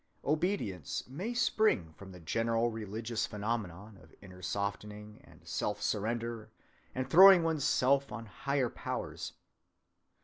Obedience may spring from the general religious phenomenon of inner softening and self‐surrender and throwing one's self on higher powers.